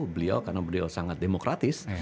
beliau karena beliau sangat demokratis